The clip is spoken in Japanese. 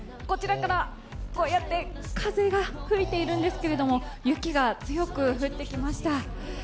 こちらから、こうやって風が吹いているんですけれども、雪が強く降ってきました。